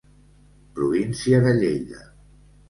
Província de Lleida.